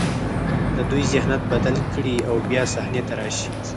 د دوی ذهنیت بدل کړي او بیا صحنې ته راشي.